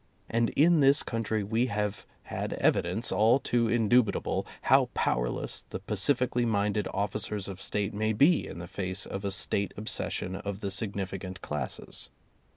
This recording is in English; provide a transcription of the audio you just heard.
And in this country we have had evidence all too indubitable how powerless the pacifically minded officers of State may be in the face of a State obsession of the significant classes.